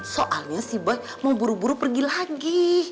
soalnya si bah mau buru buru pergi lagi